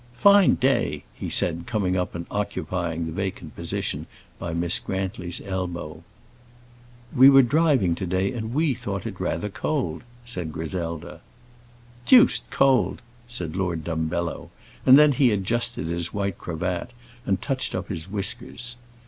"Fine day," he said, coming up and occupying the vacant position by Miss Grantly's elbow. "We were driving to day, and we thought it rather cold," said Griselda. "Deuced cold," said Lord Dumbello, and then he adjusted his white cravat and touched up his whiskers.